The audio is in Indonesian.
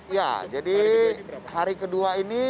ya jadi hari kedua ini